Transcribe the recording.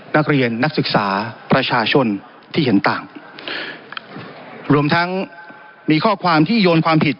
นักเรียนนักศึกษาประชาชนที่เห็นต่างรวมทั้งมีข้อความที่โยนความผิด